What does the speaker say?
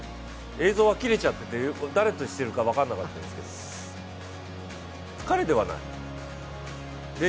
映像が切れちゃってて、誰としてるか分からなかったですけど彼ではない？